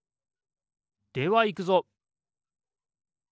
ではいくぞ！